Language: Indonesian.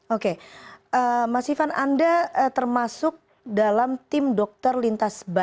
oke mas ivan anda termasuk dalam tim dokter lintas batas